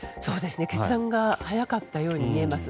決断が早かったように見えます。